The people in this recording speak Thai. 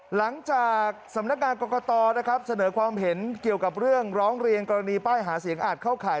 หลังจากสำนักงานกรกตนะครับเสนอความเห็นเกี่ยวกับเรื่องร้องเรียนกรณีป้ายหาเสียงอาจเข้าข่าย